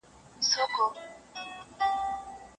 د ملا مېرمني ونيول غوږونه